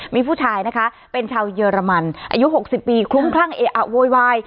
มีผู้ชายนะคะเป็นชาวเยอรมันอายุ๖๐ปีคลุ้มคลั่งเออะโวยวาย